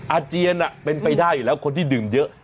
อาเจียนเป็นไปได้อยู่แล้วคนที่ดื่มเยอะ